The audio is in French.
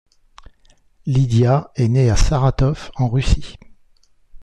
Lydia est né à Saratov en Russie.